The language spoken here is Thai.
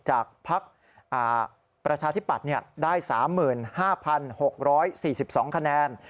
พักประชาธิปัตย์ได้๓๕๖๔๒คะแนน